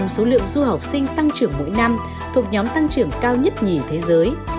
hai mươi năm số lượng du học sinh tăng trưởng mỗi năm thuộc nhóm tăng trưởng cao nhất nhỉ thế giới